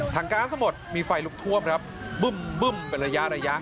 ถังก๊าซทั้งหมดมีไฟลุกทวบครับบึ้มบึ้มเป็นระยะ